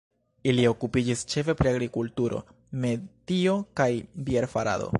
Ili okupiĝis ĉefe pri agrokulturo, metio kaj bier-farado.